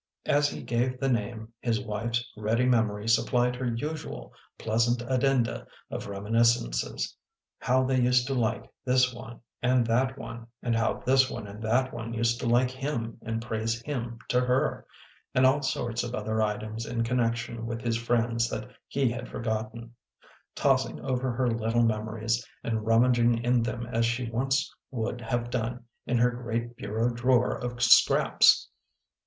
As he gave the name, his wife s ready memory supplied her usual pleasant addenda of reminis cences; how they used to like this one and that one, and how this one and that one used to like him and praise him to her, and all sorts of other items in connection with his friends that he had forgotten ; tossing over her little memories, and rummaging in them as she once would have done in her great bureau drawer of scraps!